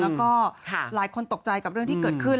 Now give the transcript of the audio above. แล้วก็หลายคนตกใจกับเรื่องที่เกิดขึ้น